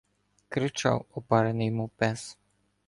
Кричав, опарений мов пес: